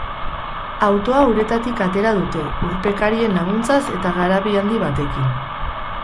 Autoa uretatik atera dute, urpekarien laguntzaz eta garabi handi batekin.